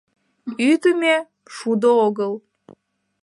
Ӱдымӧ — шудо огыл.